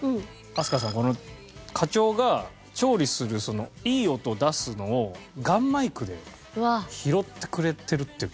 飛鳥さん課長が調理するいい音を出すのをガンマイクで拾ってくれてるっていう今日は。